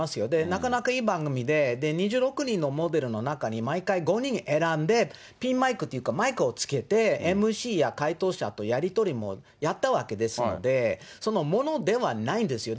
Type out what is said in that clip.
なかなかいい番組で、２６人のモデルの中に毎回５人選んで、ピンマイクというか、マイクをつけて、ＭＣや解答者とやり取りもやったわけですので、ものではないんですよ。